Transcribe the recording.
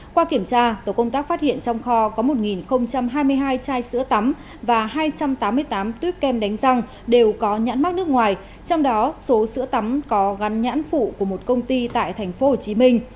qua kiểm tra tổ công tác phát hiện trong kho có một hai mươi hai chai sữa tắm và hai trăm tám mươi tám tuyếp kem đánh răng đều có nhãn mắc nước ngoài trong đó số sữa tắm có gắn nhãn phụ của một công ty tại thành phố hồ chí minh